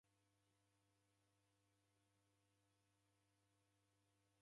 Ini sikunde chia rake ra kira.